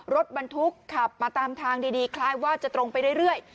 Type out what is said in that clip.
รถบันทุกข์ขับมาตามทางดีดีคล้ายว่าจะตรงไปเรื่อยเรื่อย